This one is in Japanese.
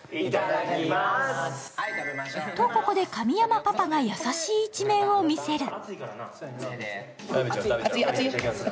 と、ここで、神山パパが優しい一面を見せる。